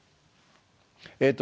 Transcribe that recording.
えっと